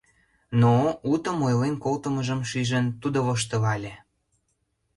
— Но, утым ойлен колтымыжым шижын, тудо воштылале: